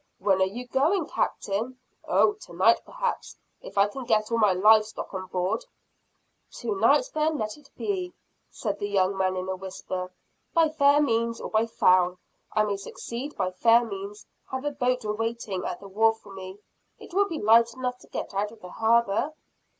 "When are you going, Captain?" "Oh, to night, perhaps if I can get all my live stock on board. "To night then let it be," said the young man in a whisper; "by fair means, or by foul. I may succeed by fair means; have a boat waiting at the wharf for me. It will be light enough to get out of the harbor?"